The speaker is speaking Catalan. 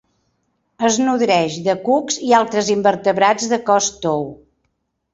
Es nodreix de cucs i altres invertebrats de cos tou.